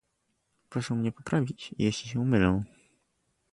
Proszę mnie poprawić, jeśli się mylę